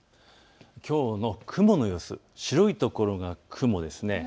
きょうの雲の様子、白い所が雲です。